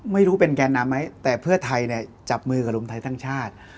ไม่รู้เป็นแกนนำไหมแต่เพื่อไทยเนี่ยจับมือกับรวมไทยสร้างชาติ